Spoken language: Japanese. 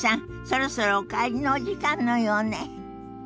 そろそろお帰りのお時間のようね。